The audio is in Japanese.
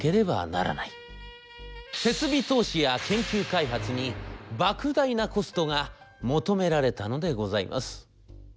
設備投資や研究開発にばく大なコストが求められたのでございます。